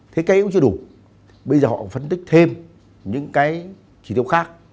thế cái hiệu chưa đủ bây giờ họ phân tích thêm những cái trí tiêu khác